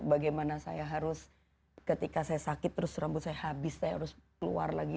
bagaimana saya harus ketika saya sakit terus rambut saya habis saya harus keluar lagi